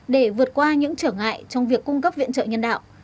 để vượt qua những trở ngại trong việc cung cấp viện trợ nhân đạo